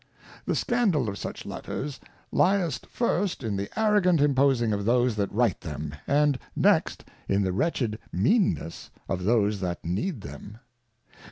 The Scandal of such Letters lieth first in the arrogant imposing of those that write them, and next in the wretched Meanness of those that need them.